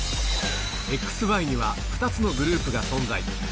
ＸＹには２つのグループが存在。